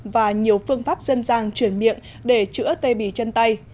và nhiều phương pháp dân gian truyền miệng để chữa tê bì chân tay